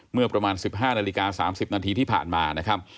เมื่อประมาณ๑๕นาฬิกา๓๐นาทีที่ผ่านมานะครับ